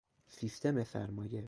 سیستم سرمایه